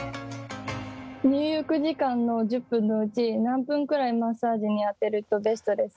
入浴時間の１０分のうち何分くらいマッサージに充てるとベストですか？